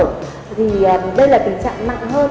thì đây là tình trạng mạnh hơn